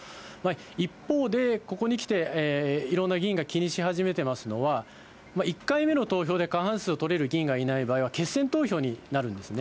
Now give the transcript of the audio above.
一方で、ここに来ていろんな議員が気にし始めてますのは、１回目の投票で過半数が取れる議員がいない場合は、決選投票になるんですね。